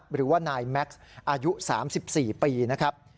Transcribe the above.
หรือว่านายแม็กซ์อายุ๓๔ปีนะครับ